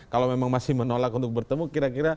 kalau memang masih menolak untuk bertemu kira kira